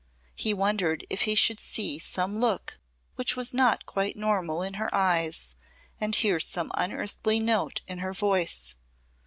He wondered if he should see some look which was not quite normal in her eyes and hear some unearthly note in her voice.